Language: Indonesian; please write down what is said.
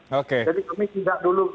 oke jadi kami tidak dulu